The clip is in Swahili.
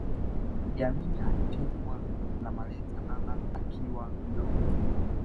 Iddi Amini alitengwa na malezi ya baba akiwa mdogo